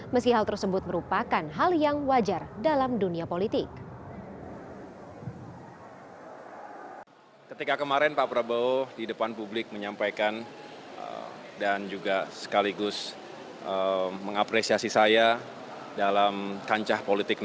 meski hal tersebut merupakan hal yang wajar dalam dunia politik